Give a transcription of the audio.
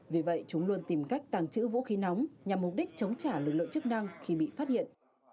vì vậy chúng luôn tìm cách tàng trữ vũ khí nóng nhằm mục đích chống trả lực lượng chức năng khi bị phát hiện